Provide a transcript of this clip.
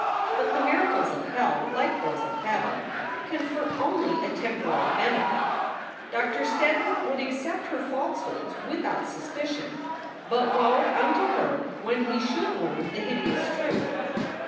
But the miracles of hell, like those of heaven, confer only a temporary benefit. Doctor Steddon would accept her falsehoods without suspicion, but woe unto her when he should learn the hideous truth.